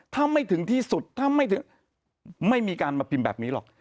ถ้าไม่ถึงที่สุดถ้าไม่มีการมาพิมพ์แบบนี้หรอก